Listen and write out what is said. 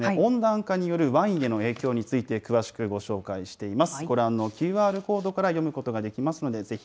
記事では、温暖化によるワインへの影響について、詳しくご紹介しています。